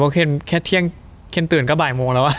เพราะว่าเคนแค่เที่ยงเคนตื่นก็บ่ายโมงแล้วอ่ะ